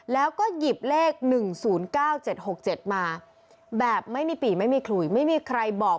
แล้วก็หยิบเลข๑๐๙๗๖๗มาแบบไม่มีปีไม่มีขลุยไม่มีใครบอก